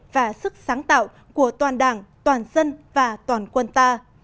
và sức sáng tạo của toàn đảng toàn dân và toàn quân ta